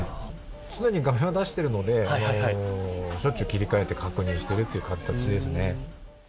常に画面は出してるのでしょっちゅう切り替えて確認しているという形ですね。